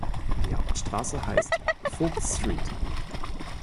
Die Hauptstraße heißt „Vogts Street“.